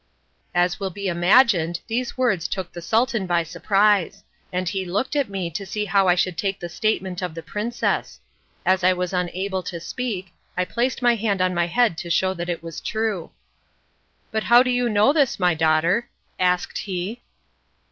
As will be imagined, these words took the Sultan by surprise, and he looked at me to see how I should take the statement of the princess. As I was unable to speak, I placed my hand on my head to show that it was true. "But how do you know this, my daughter?" asked he.